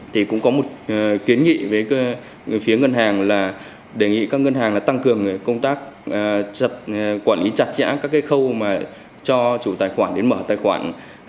thì cũng có một kiến nghị với phía ngân hàng là đề nghị các ngân hàng tăng cường công tác quản lý chặt chẽ các cái khâu mà cho chủ tài khoản đến mở tài khoản